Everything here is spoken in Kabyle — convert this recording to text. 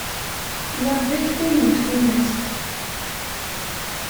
Wa d akeffay n tfunast.